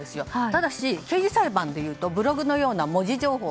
しかし、刑事裁判でいうとブログのような文字情報